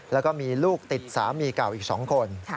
แล้วก็มีลูกติดสามีเก่าอีก๒คน